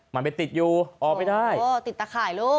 มันไปติดอยู่ออกไม่ได้ติดตะข่ายลูก